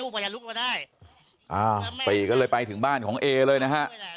ไปก็เลยไปถึงบ้านของเอเลยนะฮะ